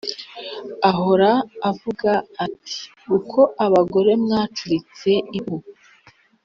Ahora avuga ati Uko abagore mwacuritse impu,